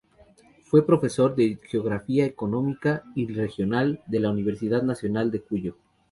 Fue profesor de Geografía Económica y Regional de la Universidad Nacional de Cuyo.